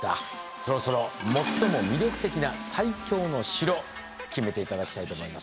そろそろ最も魅力的な最強の城決めて頂きたいと思います。